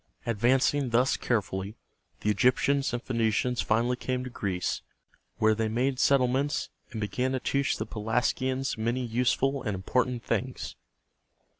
Advancing thus carefully, the Egyptians and Phoenicians finally came to Greece, where they made settlements, and began to teach the Pelasgians many useful and important things.